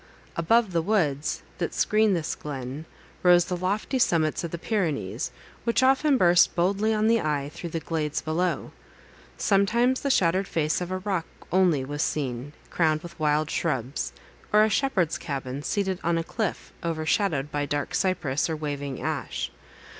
Above the woods, that screened this glen, rose the lofty summits of the Pyrenees, which often burst boldly on the eye through the glades below. Sometimes the shattered face of a rock only was seen, crowned with wild shrubs; or a shepherd's cabin seated on a cliff, overshadowed by dark cypress, or waving ash.